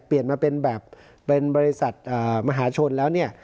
เปลี่ยนมาเป็นแบบเป็นบริษัทมหาชนแล้วเนี่ย